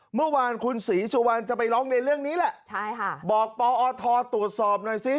เมื่อวานคุณศรีสุวรรณจะไปร้องเรียนเรื่องนี้แหละใช่ค่ะบอกปอทตรวจสอบหน่อยสิ